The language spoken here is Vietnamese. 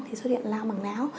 thì xuất hiện lao bằng láo